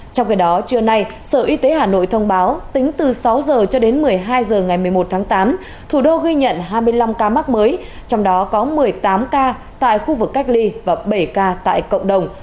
trong khi đó trưa nay sở y tế hà nội thông báo tính từ sáu h cho đến một mươi hai h ngày một mươi một tháng tám thủ đô ghi nhận hai mươi năm ca mắc mới trong đó có một mươi tám ca tại khu vực cách ly và bảy ca tại cộng đồng